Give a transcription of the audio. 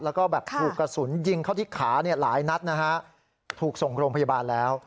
แล้วก็แบบถูกกระสุนยิงเข้าที่ขาเนี่ยหลายนัดนะฮะถูกส่งโรงพยาบาลแล้ว